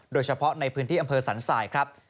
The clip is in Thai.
โดยเฉพาะในพื้นที่อำเภอสันสายครับ